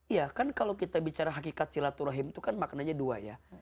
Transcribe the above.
iya kan kalau kita bicara hakikat silaturahim itu kan maknanya dua ya